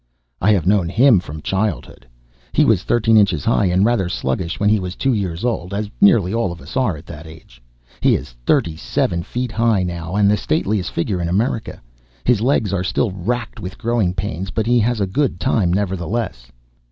"I have known him from childhood. He was thirteen inches high, and rather sluggish, when he was two years old as nearly all of us are at that age. He is thirty seven feet high now, and the stateliest figure in America. His legs are still racked with growing pains, but he has a good time, nevertheless.